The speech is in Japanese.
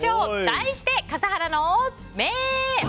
題して、笠原の眼！